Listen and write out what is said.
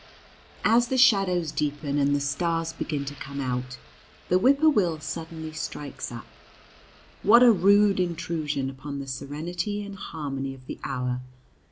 As the shadows deepen and the stars begin to come out, the whip poor will suddenly strikes up. What a rude intrusion upon the serenity and harmony of the hour!